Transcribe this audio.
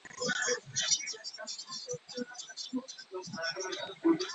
Beauvechain has several protected heritage sites.